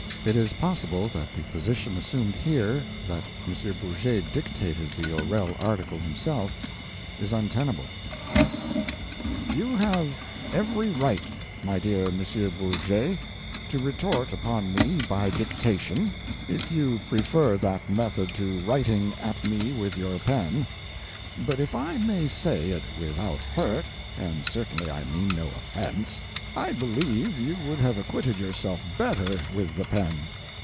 It is possible that the position assumed here that M. Bourget dictated the O'Rell article himself is untenable.] You have every right, my dear M. Bourget, to retort upon me by dictation, if you prefer that method to writing at me with your pen; but if I may say it without hurt and certainly I mean no offence I believe you would have acquitted yourself better with the pen.